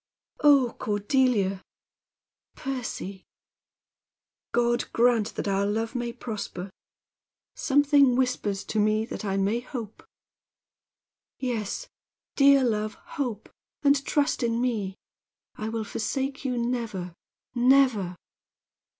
"Oh, Cordelia!" "Percy!" "God grant that our love may prosper! Something whispers to me that I may hope." "Yes, dear love, hope, and trust in me. I will forsake you never, never!"